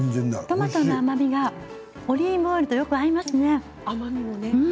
トマトの甘みがオリーブオイルとよく合いますね。